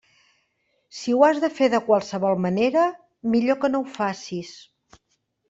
Si ho has de fer de qualsevol manera, millor que no ho facis.